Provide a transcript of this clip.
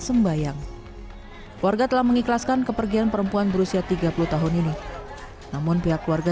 sembayang warga telah mengikhlaskan kepergian perempuan berusia tiga puluh tahun ini namun pihak keluarga